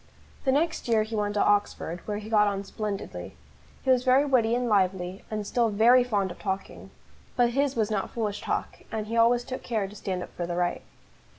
The next year he went to Oxford, where he got on splendidly. He was very witty and lively, and still very fond of talking; but his was not foolish talk, and he always took care to stand up for the right.